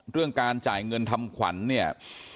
เรื่องการจ่ายเงินทำขวัญเนี่ย